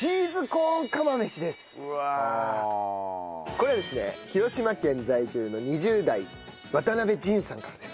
これはですね広島県在住の２０代渡邉仁さんからです。